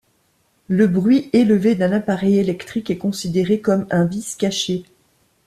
Le bruit élevé d'un appareil électrique est considéré comme un vice caché.